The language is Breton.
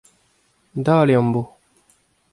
Dale am bo.